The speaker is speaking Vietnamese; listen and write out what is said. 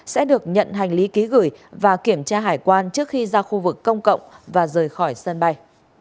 sẽ được nhận hành lý ký gửi và kiểm tra hải quan trước khi ra khu vực công cộng và rời khỏi sân bay